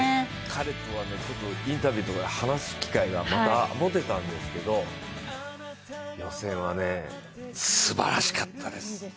彼とはインタビューとかで話す機会が持てたんですけど予選はすばらしかったです。